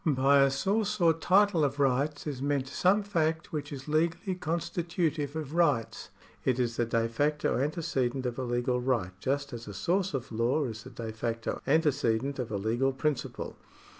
By a source or title of rights is meant some fact which is legally constitutive of rights. It is the de facto antecedent of a legal right just as a source of law is the de facto antecedent of a legal principle.